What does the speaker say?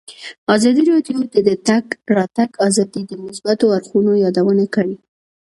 ازادي راډیو د د تګ راتګ ازادي د مثبتو اړخونو یادونه کړې.